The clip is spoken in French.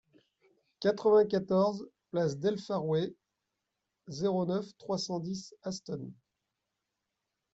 quatre-vingt-quatorze place del Faouré, zéro neuf, trois cent dix, Aston